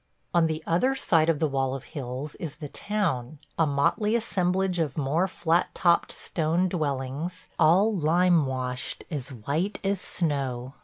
On the other side of the wall of hills is the town, a motley assemblage of more flat topped stone dwellings, all lime washed as white as snow.